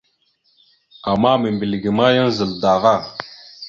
Ama membilge ma zal dava.